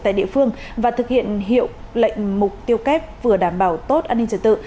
tại địa phương và thực hiện hiệu lệnh mục tiêu kép vừa đảm bảo tốt an ninh trật tự